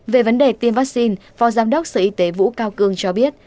về vấn đề tiêm vaccine phó giám đốc sở y tế vũ cao cương cho biết